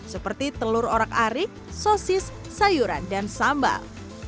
seperti telur orak arik sosis sayuran dan sambal